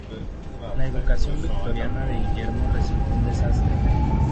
La educación victoriana de Guillermo resultó un desastre.